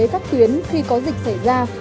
các tuyến khi có dịch xảy ra